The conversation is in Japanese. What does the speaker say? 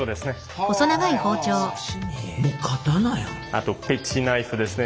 あとペティナイフですね。